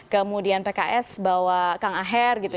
kemudian pks bawa kang aher gitu